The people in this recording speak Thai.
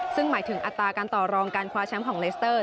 ซึ่งหมายถึงอัตราการต่อรองการคว้าแชมป์ของเลสเตอร์